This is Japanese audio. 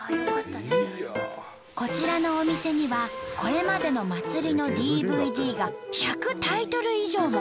こちらのお店にはこれまでの祭りのＤＶＤが１００タイトル以上も。